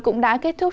cũng đã kết thúc